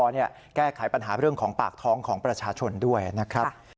แก้ไขปัญหาเรื่องของปากท้องของประชาชนด้วยนะครับ